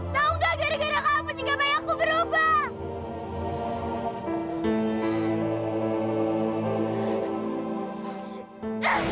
tahu nggak gara gara kamu jika bayangku berubah